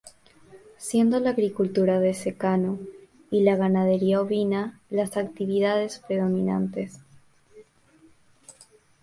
Siendo la agricultura de secano y la ganadería ovina las actividades predominantes.